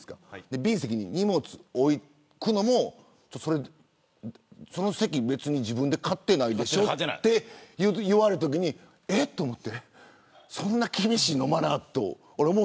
Ｂ席に荷物を置くのもその席は自分で買ってないでしょって言われたときにえっ、と思ってそんな厳しいのマナー。